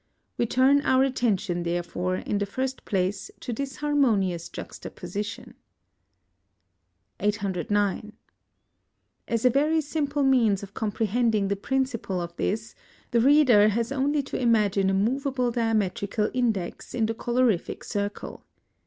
We turn our attention therefore, in the first place, to this harmonious juxtaposition. 809. As a very simple means of comprehending the principle of this, the reader has only to imagine a moveable diametrical index in the colorific circle.